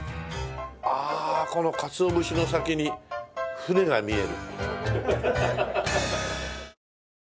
ああこの鰹節の先に船が見える。